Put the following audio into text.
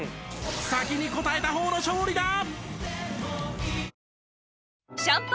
先に答えた方の勝利だ！